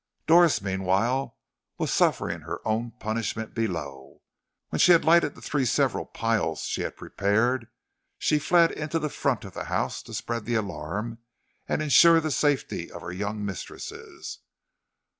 Doris meanwhile was suffering her own punishment below. When she had lighted the three several piles she had prepared, she fled into the front of the house to spread the alarm and insure the safety of her young mistresses.